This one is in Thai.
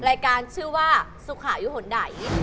รายการชื่อว่าสุขายุหนใด